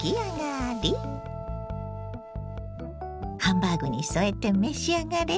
ハンバーグに添えて召し上がれ。